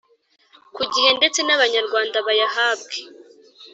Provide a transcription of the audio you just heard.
ku gihe ndetse n’Abanyarwanda bayahabwe